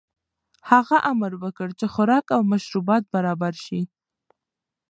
هغه امر وکړ چې خوراک او مشروبات برابر شي.